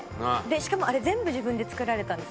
しかもあれ全部自分で作られたんですか？